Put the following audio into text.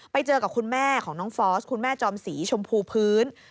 ไปเจอกับคุณแม่ของน้องฟอสคุณแม่จอมสีชมพูพื้น